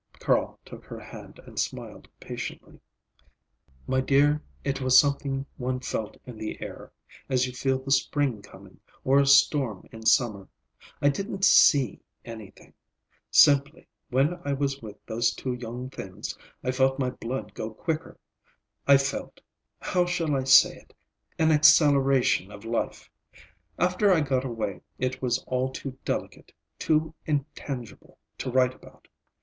Carl took her hand and smiled patiently. "My dear, it was something one felt in the air, as you feel the spring coming, or a storm in summer. I didn't see anything. Simply, when I was with those two young things, I felt my blood go quicker, I felt—how shall I say it?—an acceleration of life. After I got away, it was all too delicate, too intangible, to write about."